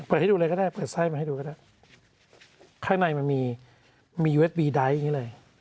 ให้ดูเลยก็ได้เปิดไส้มาให้ดูก็ได้ข้างในมันมีมีเว็ดวีไดท์อย่างนี้เลย